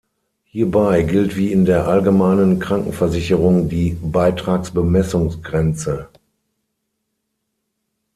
Hierbei gilt wie in der allgemeinen Krankenversicherung die Beitragsbemessungsgrenze.